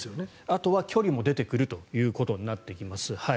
あとは距離も出てくるということになってきます。